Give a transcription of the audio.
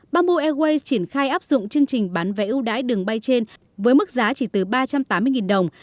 bamboo airways triển khai áp dụng chương trình bán vẽ ưu đãi đường bay trên với mức giá chỉ từ ba trăm tám mươi đồng